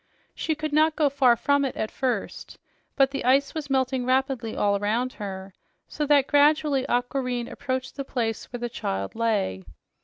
She could not go far from it at first, but the ice was melting rapidly all around her so that gradually Aquareine approached the place where the child lay.